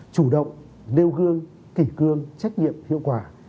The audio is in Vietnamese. chủ động nêu gương kỷ cương trách nhiệm hiệu quả